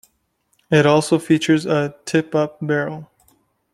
It also features a tip-up barrel.